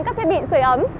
các thiết bị sửa ấm